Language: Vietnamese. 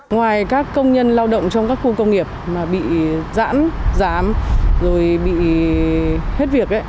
ngoài các công nhân lao động trong các khu công nghiệp mà bị giãn giám rồi bị hết việc